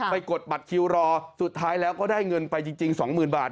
กดบัตรคิวรอสุดท้ายแล้วก็ได้เงินไปจริง๒๐๐๐บาท